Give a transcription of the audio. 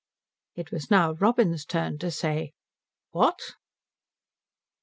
It was now Robin's turn to say "What?"